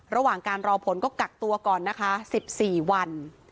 ระหว่างการรอผลก็กักตัวก่อนนะคะ๑๔วัน